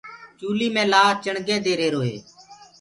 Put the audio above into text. چوليٚ مي لآه چِڻگينٚ دي رهيرو هي۔